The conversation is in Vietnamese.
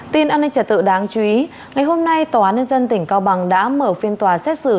tin an ninh trả tự đáng chú ý ngày hôm nay tòa án nhân dân tỉnh cao bằng đã mở phiên tòa xét xử